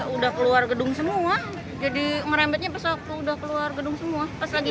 udah keluar gedung semua jadi merembetnya pas waktu udah keluar gedung semua pas lagi